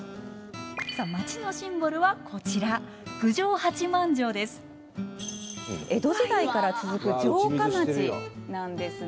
さあ町のシンボルはこちら江戸時代から続く城下町なんですね。